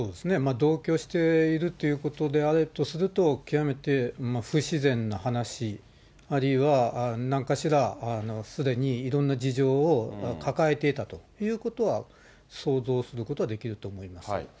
同居しているっていうことであるとすると、極めて不自然な話、あるいはなんかしら、すでにいろんな事情を抱えていたということは想像することはできると思います。